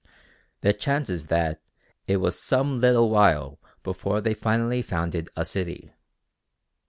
The chance is that it was some little while before they finally founded a city.